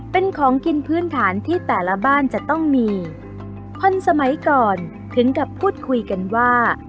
เป็นของกินพื้นฐานที่แต่ละบ้านจะต้องมีคนสมัยก่อนถึงกับพูดคุยกันว่า